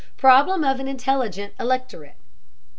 PROBLEM OF AN INTELLIGENT ELECTORATE.